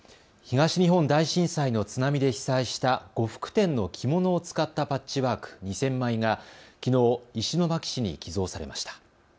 東日本大震災の津波で被災した呉服店の着物を使ったパッチワーク、２０００枚がきのう、石巻市に寄贈されました。